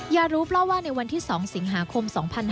อย่ารู้เพราะว่าในวันที่๒สิงหาคม๒๕๕๙